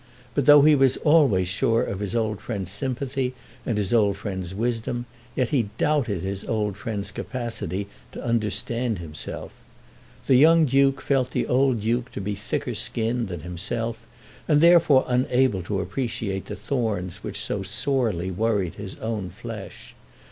But though he was always sure of his old friend's sympathy and of his old friend's wisdom, yet he doubted his old friend's capacity to understand himself. The young Duke felt the old Duke to be thicker skinned than himself and therefore unable to appreciate the thorns which so sorely worried his own flesh.